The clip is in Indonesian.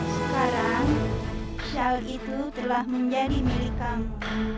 sekarang shawl itu telah menjadi milik kamu